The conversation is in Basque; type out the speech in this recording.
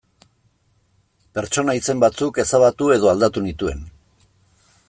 Pertsona izen batzuk ezabatu edo aldatu nituen.